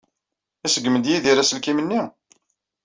Iṣeggem-d Yidir aselkim-nni?